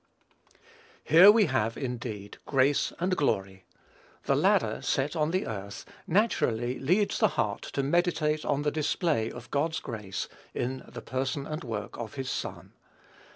Here we have, indeed, "grace and glory." The ladder "set on the earth" naturally leads the heart to meditate on the display of God's grace, in the Person and work of his Son.